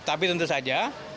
tapi tentu saja